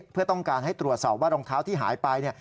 เพื่อต้องการให้ตรวจสอบว่ารองเท้าที่หายไป